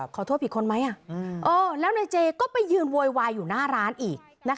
ขอโทษผิดคนไหมแล้วนายเจก็ไปยืนโวยวายอยู่หน้าร้านอีก